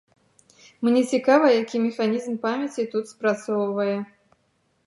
Мне цікава, які механізм памяці тут спрацоўвае.